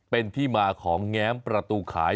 เป็นที่มาของแง้มประตูขาย